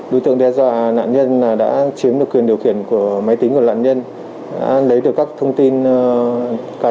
đối tượng đe dọa nạn nhân đã chiếm được quyền điều khiển của máy tính lấy được các thông tin cá